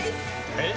えっ？